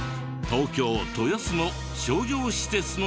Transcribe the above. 東京で東京豊洲の商業施設の中。